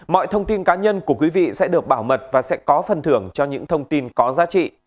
mọi thông tin cá nhân của quý vị sẽ được bảo mật và sẽ có phần thưởng cho những thông tin có giá trị